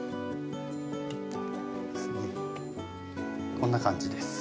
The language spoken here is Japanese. こんな感じです。